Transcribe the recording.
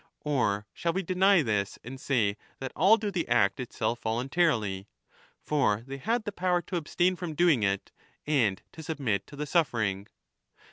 Or shall we deny this, and say that all do the act itself voluntarily ? for they had the power to abstain from doing it, and to submit to the suffering.